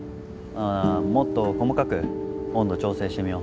もっと細かく温度調整してみよう。